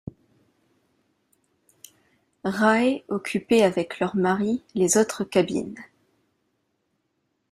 Raë occupaient avec leurs maris les autres cabines.